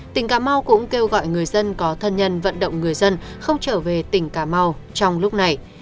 tỉnh cà mau cũng kêu gọi người dân có thân nhân vận động người dân không trở về tỉnh cà mau trong lúc này